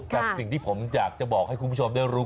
แต่สิ่งที่ผมอยากจะบอกให้คุณผู้ชมได้รู้